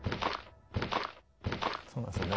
・そうなんですよね